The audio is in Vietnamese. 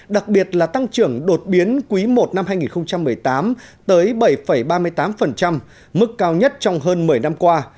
đặc biệt là tăng trưởng đột biến quý i năm hai nghìn một mươi tám tới bảy ba mươi tám mức cao nhất trong hơn một mươi năm qua